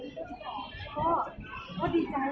เวลาแรกพี่เห็นแวว